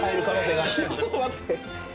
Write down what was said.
ちょっと待って。